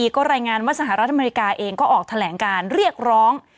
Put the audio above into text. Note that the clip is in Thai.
ก็รายงานว่าสหรัฐอเมริกาเองก็ออกแถลงการเรียกร้อง